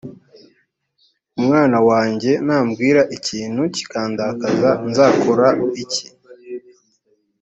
umwana wanjye nambwira ikintu kikandakaza nzakora iki